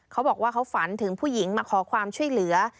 เขาบอกว่าเขาฝันถึงผู้หญิงมาขอความช่วยเหลือ